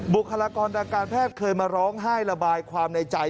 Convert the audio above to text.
บุคลากรทางการแพทย์เคยมาร้องไห้ระบายความในใจ